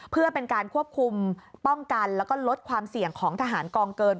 เพื่อเป็นการควบคุมป้องกันแล้วก็ลดความเสี่ยงของทหารกองเกิน